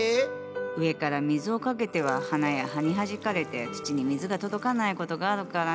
上から水をかけては花や葉にはじかれて土に水が届かない事があるからね。